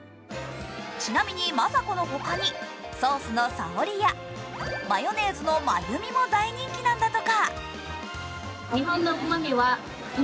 ちなみに、マサコのほかにソースのサオリやマヨネーズのマユミも大人気なんだとか。